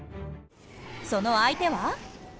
その相手は？